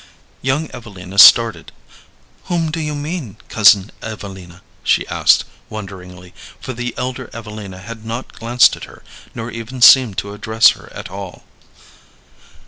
Young Evelina started. "Whom do you mean, Cousin Evelina?" she asked, wonderingly; for the elder Evelina had not glanced at her, nor even seemed to address her at all.